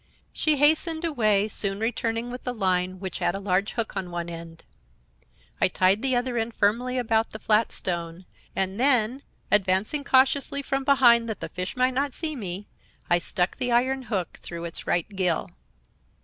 "She hastened away, soon returning with the line, which had a large hook on one end. I tied the other end firmly about the flat stone, and then, advancing cautiously from behind, that the fish might not see me, I stuck the iron hook through its right gill.